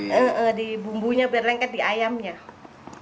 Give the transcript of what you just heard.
di bumbunya biar lengket di ayamnya